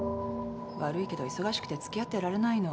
悪いけど忙しくてつきあってられないの。